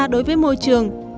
đối với môi trường